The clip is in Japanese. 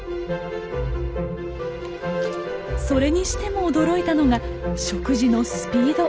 それにしても驚いたのが食事のスピード。